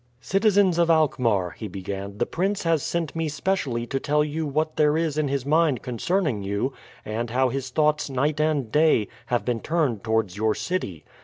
"Citizens of Alkmaar," he began, "the prince has sent me specially to tell you what there is in his mind concerning you, and how his thoughts, night and day, have been turned towards your city.